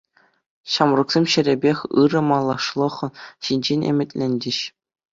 Ҫамрӑксем ҫӗрӗпех ырӑ малашлӑх ҫинчен ӗмӗтленчӗҫ.